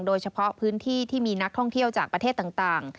โดยเฉพาะพื้นที่ที่มีนักท่องเที่ยวจากประเทศต่าง